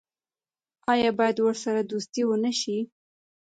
آیا باید ورسره دوستي ونشي؟